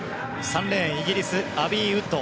３レーン、イギリスアビー・ウッド。